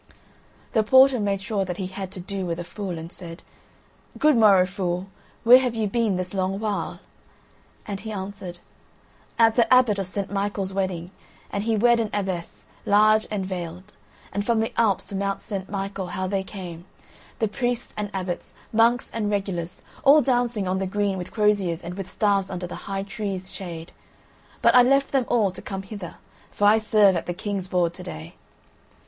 The porter made sure that he had to do with a fool and said: "Good morrow, fool, where have you been this long while?" And he answered: "At the Abbot of St. Michael's wedding, and he wed an abbess, large and veiled. And from the Alps to Mount St. Michael how they came, the priests and abbots, monks and regulars, all dancing on the green with croziers and with staves under the high trees' shade. But I left them all to come hither, for I serve at the King's board to day."